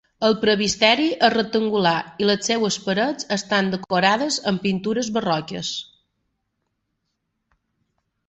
El presbiteri és rectangular i les seues parets estan decorades amb pintures barroques.